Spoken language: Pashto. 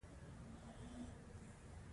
په دې کورسونو کې د محصل مسلک جوړیږي.